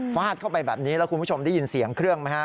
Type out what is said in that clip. เข้าไปแบบนี้แล้วคุณผู้ชมได้ยินเสียงเครื่องไหมฮะ